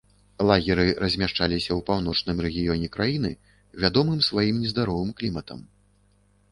Лагеры размяшчаліся ў паўночным рэгіёне краіны, вядомым сваім нездаровым кліматам.